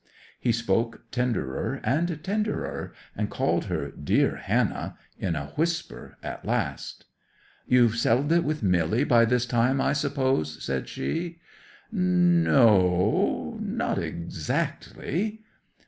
He spoke tenderer and tenderer, and called her "dear Hannah" in a whisper at last. '"You've settled it with Milly by this time, I suppose," said she. '"N no, not exactly."